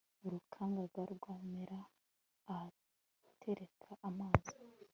urukangaga rwamera ahatareka amazi